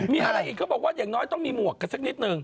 มีอะไรอีกเขาบอกว่าอย่างน้อยต้องมีหมวกกันสักนิดนึง